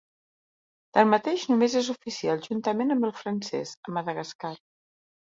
Tanmateix només és oficial, juntament amb el francès, a Madagascar.